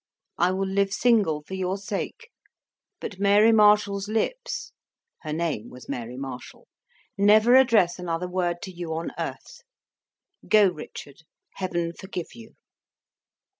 I will live single for your sake, but Mary Marshall's lips" her name was Mary Marshall "never address another word to you on earth. Go, Richard! Heaven forgive you!"